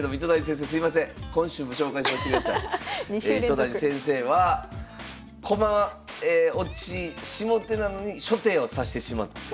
糸谷先生は駒落ち下手なのに初手を指してしまって。